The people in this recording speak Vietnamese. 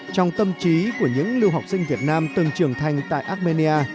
trong tâm trí của những lưu học sinh việt nam từng trưởng thành tại armenia